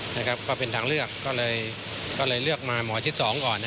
นะครับก็เป็นทางเลือกก็เลยเลือกมาหมอชิด๒ก่อน